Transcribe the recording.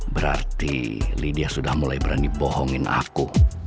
berarti lydia sudah mulai berani bohongin aku